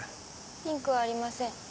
ピンクはありません。